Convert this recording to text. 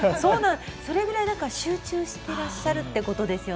それぐらい集中してらっしゃるということです。